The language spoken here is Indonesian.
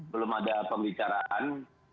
belum ada pembicaraan